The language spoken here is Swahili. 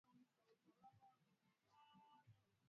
para a Independência Total de Angola kama harakati ya kukomboa